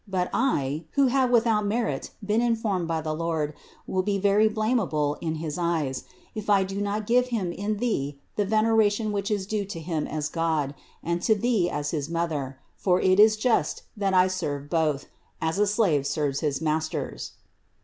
But I, who have without merit been informed by the Lord, will be very blamable in his eyes, if I do not give Him in Thee the veneration which is due to Him as God, and to Thee as his Mother; for it is just that I serve Both, as a slave serves his masters."